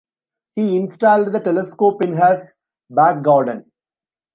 He installed the telescope in has back garden.